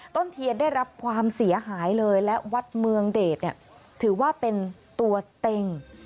ต้นเทียนได้รับความเสียหายเลยและวัดเมืองเดชเนี่ยถือว่าเป็นตัวเต็ง